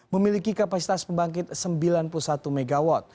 memiliki kapasitas pembangkit sembilan puluh satu mw